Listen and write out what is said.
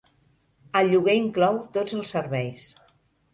El lloguer inclou tots els serveis.